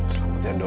selamat jalan dok